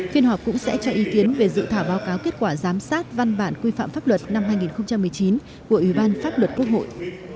phiên họp cũng sẽ cho ý kiến về dự thảo báo cáo kết quả giám sát văn bản quy phạm pháp luật năm hai nghìn một mươi chín của ủy ban pháp luật quốc hội